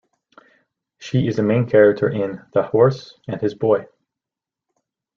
She is a main character in "The Horse and His Boy".